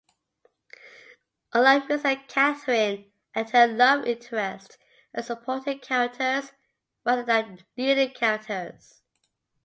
Unlike Misa, Catherine and her love interest are supporting characters, rather than leading characters.